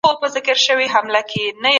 د ماشوم تېروتنې په نرمۍ اصلاح کړئ.